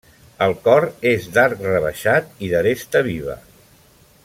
El cor és d'arc rebaixat i d'aresta viva.